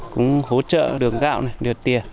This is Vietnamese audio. cũng hỗ trợ đường gạo đường tiền